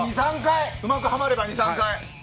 うまくはまれば２３回。